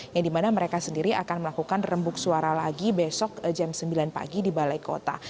yang dimana mereka sendiri akan melakukan rembuk suara lagi besok jam sembilan pagi di balai kota